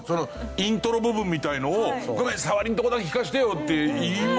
イントロ部分みたいなのを「ごめんさわりのとこだけ聞かせてよ」って言いますよね。